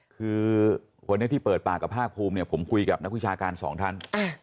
คือวันนี้ที่เปิดปากกับภาคภูมิเนี่ยผมคุยกับนักวิชาการสองท่าน